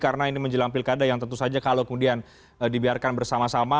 karena ini menjelang pilkada yang tentu saja kalau kemudian dibiarkan bersama sama